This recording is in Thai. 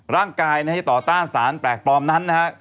ร่างกายให้ต่อต้านสารแปลกปลอมนั้นนะฮะ